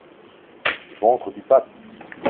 Ventre du pape!